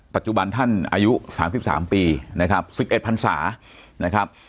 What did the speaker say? ปัจจุบันท่านอายุ๓๓ปีนะครับ๑๑พันศานะครับ